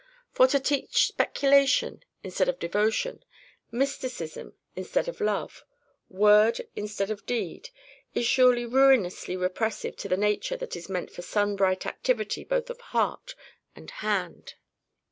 For to teach speculation instead of devotion, mysticism instead of love, word instead of deed, is surely ruinously repressive to the nature that is meant for sunbright activity both of heart and hand.